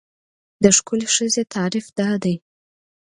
د ښکلې ښځې تعریف دا دی.